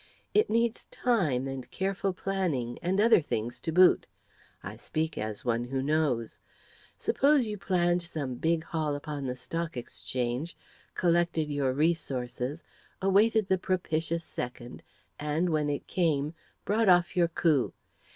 It needs time, and careful planning, and other things to boot. I speak as one who knows. Suppose you planned some big haul upon the Stock Exchange, collected your resources, awaited the propitious second, and, when it came, brought off your coup.